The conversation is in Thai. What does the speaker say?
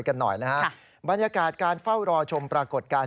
กันหน่อยนะฮะบรรยากาศการเฝ้ารอชมปรากฏการณ์